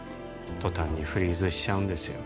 途端にフリーズしちゃうんですよ